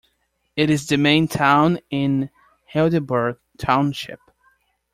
It is the main town in Heidelberg Township.